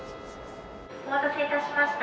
「お待たせいたしました。